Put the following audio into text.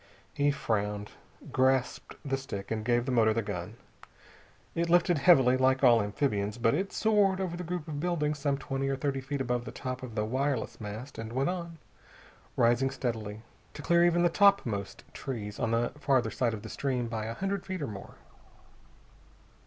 He frowned, grasped the stick, and gave the motor the gun. It lifted heavily, like all amphibians, but it soared over the group of buildings some twenty or thirty feet above the top of the wireless mast and went on, rising steadily, to clear even the topmost trees on the farther side of the stream by a hundred feet or more.